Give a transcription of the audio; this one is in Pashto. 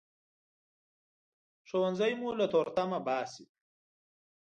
ښوونځی مو له تورتمه باسي